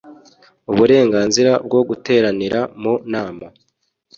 Uburenganzira bwo guteranira mu nama